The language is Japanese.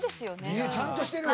理由ちゃんとしてるわ。